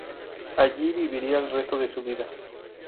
Allí viviría el resto de su vida.